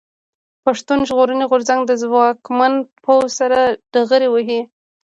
پښتون ژغورني غورځنګ د ځواکمن پوځ سره ډغرې وهي.